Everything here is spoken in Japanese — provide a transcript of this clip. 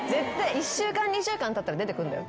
１週間２週間たったら出てくるんだよ。